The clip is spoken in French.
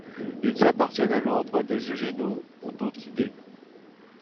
Ils appartiennent à l'ordre des eugeneodontidés.